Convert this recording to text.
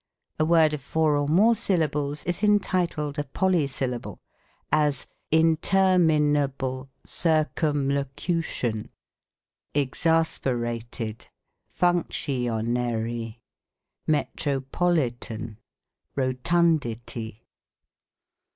A word of four or more syllables is entitled a Poly syllable ; as, in ter mi na ble, cir cum lo cu ti on, ex as pe ra ted, func ti o na ry, met ro po li tan, ro tun di ty.